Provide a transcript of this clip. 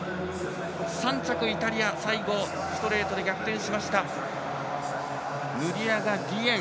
３着、イタリア最後ストレートで逆転しましたヌディアガ・ディエン。